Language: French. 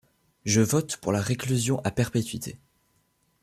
Je vote pour la réclusion à perpétuité.